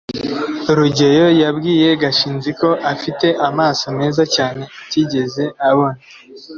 rugeyo yabwiye gashinzi ko afite amaso meza cyane atigeze abona